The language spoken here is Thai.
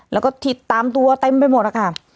แล้วก็ที่ตามตัวเต็มไปหมดนะคะ